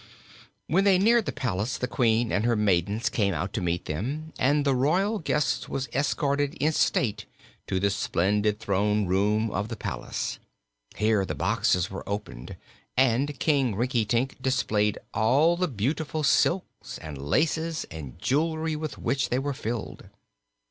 When they neared the palace, the Queen and her maidens came out to meet them and the royal guest was escorted in state to the splendid throne room of the palace. Here the boxes were opened and King Rinkitink displayed all the beautiful silks and laces and jewelry with which they were filled.